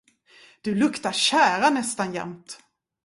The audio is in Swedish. Du luktar tjära nästan jämt.